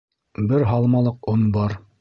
Бер һалмалыҡ он бар.